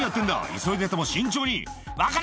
急いでても慎重に。